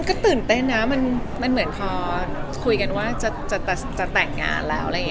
ก็ยังว่าไม่เหมือนกับคนอื่น